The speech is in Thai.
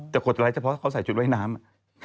แต่กดไลค์เฉพาะเขาใส่ชุดว่ายน้ำ